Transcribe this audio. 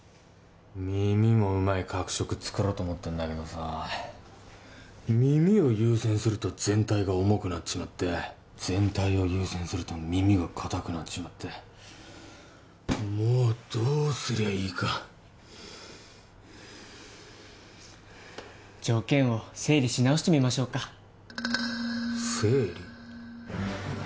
耳もうまい角食作ろうと思ってんだけどさ耳を優先すると全体が重くなっちまって全体を優先すると耳が硬くなっちまってもうどうすりゃいいか条件を整理し直してみましょうか整理？